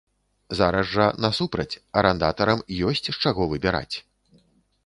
Зараз жа, насупраць, арандатарам ёсць з чаго выбіраць.